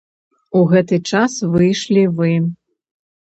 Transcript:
У гэты час выйшлі вы.